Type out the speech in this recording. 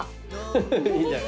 フフフいいんじゃない。